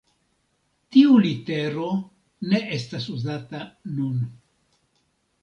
Tiu litero ne estas uzata nun.